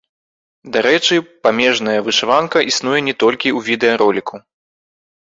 Дарэчы, памежная вышыванка існуе не толькі ў відэароліку.